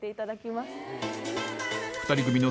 ２人組の